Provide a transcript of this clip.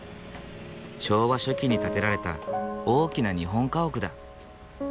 昭和初期に建てられた大きな日本家屋だ。